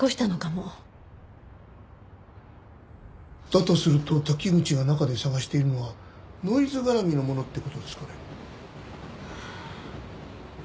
だとすると滝口が中で探しているのはノイズ絡みのものって事ですかね？